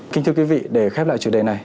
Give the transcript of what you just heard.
kính thưa quý vị để khép lại chủ đề này